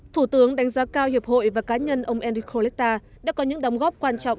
thủ tướng đánh giá cao hiệp hội và cá nhân ông andikletta đã có những đóng góp quan trọng